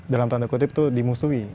dalam tanda kutip itu dimusuhi